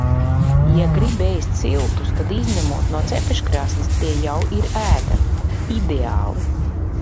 Ja grib ēst siltus, tad izņemot no cepeškrāsns tie jau ir ēdami. Ideāli!